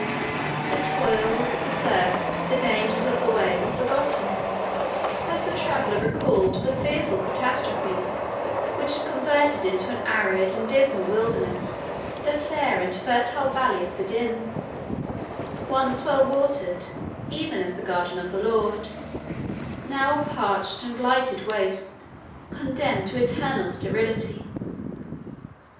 The toil, the thirst, the dangers of the way, were forgotten, as the traveller recalled the fearful catastrophe which had converted into an arid and dismal wilderness the fair and fertile valley of Siddim, once well watered, even as the Garden of the Lord, now a parched and blighted waste, condemned to eternal sterility.